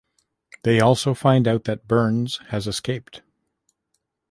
They also find out that Burns has escaped.